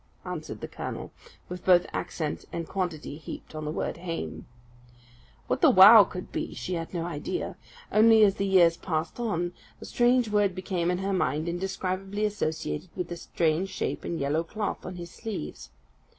answered the colonel, with both accent and quantity heaped on the word hame. What the wow could be, she had no idea; only, as the years passed on, the strange word became in her mind indescribably associated with the strange shape in yellow cloth on his sleeves.